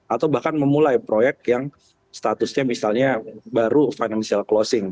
atau bahkan memulai proyek yang statusnya misalnya baru financial closing